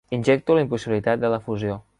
Injecto la impossibilitat de la fusió.